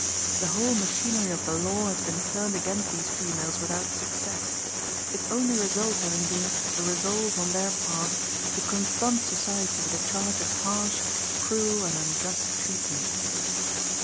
The whole machinery of the law has been turned against these females without success; its only result having been a resolve, on their part, to confront society with the charge of harsh, cruel, and unjust treatment.